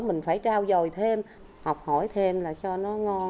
mình phải trao dồi thêm học hỏi thêm là cho nó ngon